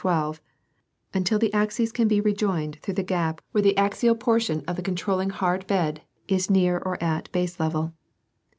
12, until the axis can be rejoined through the gap where the axial portion of the controlling hard bed is near or at baselevel.